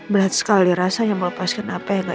berat sekali rasanya melepaskan apa yang ada